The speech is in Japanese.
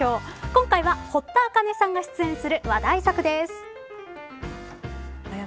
今回は堀田茜さんが出演する話題作です。